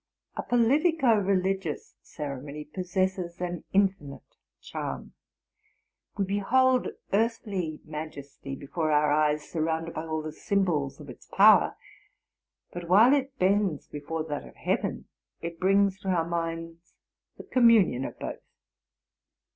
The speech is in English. A politico religious ceremony possesses an infinite charm. We behold earthly majesty before our eyes, surrounded by all the symbols of its power; but, while it bends before that of heaven, it brings to our minds the communion of both.